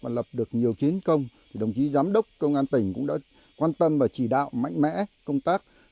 và lập được nhiều chiến công đồng chí giám đốc công an tỉnh cũng đã quan tâm và chỉ đạo mạnh mẽ công tác